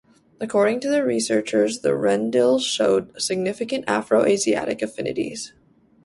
According to the researchers, the Rendille showed significant Afro-Asiatic affinities.